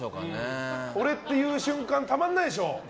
俺っていう瞬間たまんないでしょ？